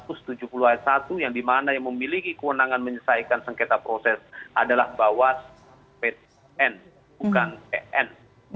khususnya pasal empat ratus enam puluh tujuh a satu dan pasal empat ratus tujuh puluh a satu yang dimana yang memiliki kewenangan menyelesaikan sengketa proses adalah bawah pn bukan pn